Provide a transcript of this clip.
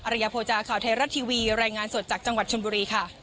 ริยโภจาข่าวไทยรัฐทีวีรายงานสดจากจังหวัดชนบุรีค่ะ